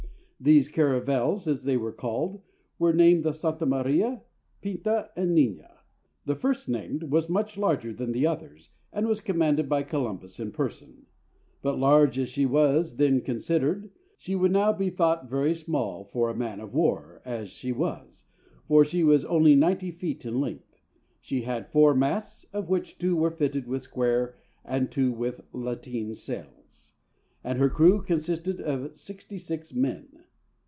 These caravels, as they were called, were named the Santa Maria, Pinta, and Nina. The first named was much larger than the others, and was commanded by Columbus in person; but large as she was then considered, she would now be thought very small for a man of war, as she was, for she was only ninety feet in length. She had four masts, of which two were fitted with square and two with lateen sails, and her crew consisted of sixty six men.